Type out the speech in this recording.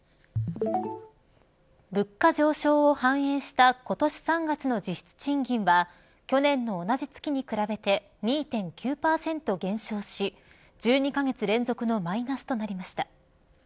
物価上昇を反映した今年３月の実質賃金は去年の同じ月に比べて２．９％減少し１２カ月連続のマイナスとなりました。